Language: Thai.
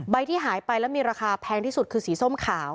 ที่หายไปแล้วมีราคาแพงที่สุดคือสีส้มขาว